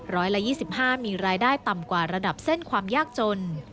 ร้อยละ๒๕มีรายได้ต่ำกว่าระดับเส้นความยากจน